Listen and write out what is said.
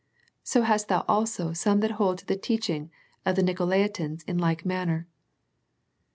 So hast thou also some that hold the teaching of the Nicolaitans in like manner."